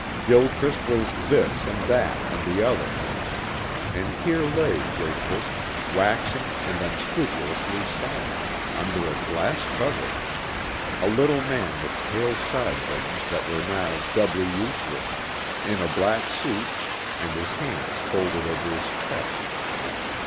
Gilchrist was this and that and the other. And here lay Gilchrist, waxen and unscrupulously silent, under a glass cover a little man with pale sideburns that were now doubly useless, in a black suit and his hands folded over his chest.